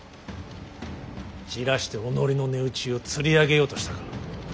じらして己の値打ちをつり上げようとしたか。